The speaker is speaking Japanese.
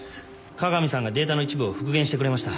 加賀美さんがデータの一部を復元してくれました。